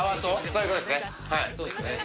そうですね。